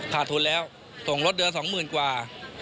ขาดทุนแล้วส่งรถเดือน๒๐๐๐กว่า